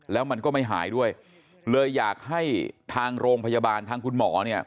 แล้วมันก็ไม่หายด้วยเลยอยากให้ทางโรงพยาบาลทางคุณหมอเนี่ย